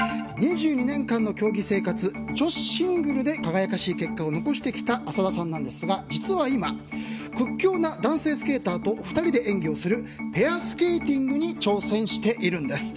２２年間の競技生活女子シングルで輝かしい結果を残してきた浅田さんなんですが実は今、屈強な男性スケーターと２人で演技をするペアスケーティングに挑戦しているんです。